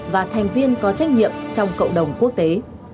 và thành viên có trách nhiệm trong cộng đồng quốc tế